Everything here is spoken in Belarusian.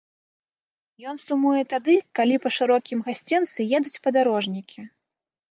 Ён сумуе тады, калі па шырокім гасцінцы едуць падарожнікі.